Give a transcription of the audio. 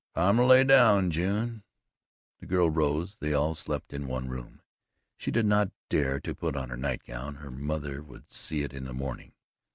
"Time to lay down, June." The girl rose. They all slept in one room. She did not dare to put on her night gown her mother would see it in the morning.